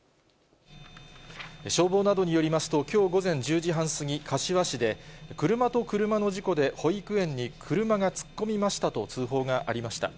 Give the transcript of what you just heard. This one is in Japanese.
消防などによりますと、きょう午前１０時半過ぎ、柏市で、車と車の事故で保育園に車が突っ込みましたと通報がありました。